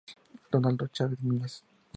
Donaldo Chávez Núñez.